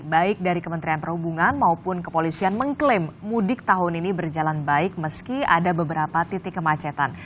baik dari kementerian perhubungan maupun kepolisian mengklaim mudik tahun ini berjalan baik meski ada beberapa titik kemacetan